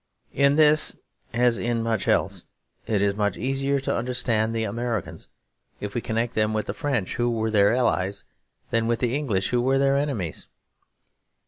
In this as in much else it is much easier to understand the Americans if we connect them with the French who were their allies than with the English who were their enemies.